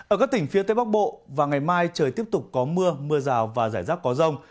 ở các tỉnh phía tây bắc bộ và ngày mai trời tiếp tục có mưa mưa rào và rải rác có rông